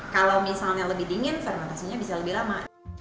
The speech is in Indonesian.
kalau misalnya lebih dingin fermentasinya bisa lebih lama